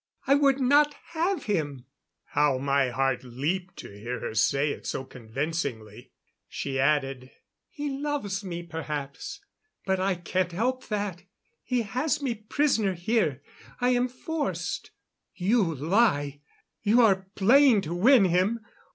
I would not have him " How my heart leaped to hear her say it so convincingly. She added: "He loves me, perhaps but I can't help that. He has me prisoner here. I am forced " "You lie! You are playing to win him!